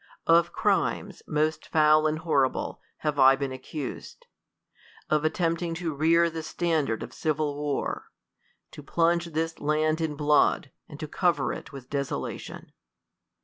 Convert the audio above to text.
Of crimes, most foul and horri ble, have I been accused : of attempting to rear the standard of civil war; to plunge this land in blood, and to cover it with desolation.